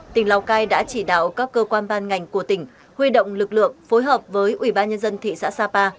tỉnh lào cai đã chỉ đạo các cơ quan ban ngành của tỉnh huy động lực lượng phối hợp với ủy ban nhân dân thị xã sapa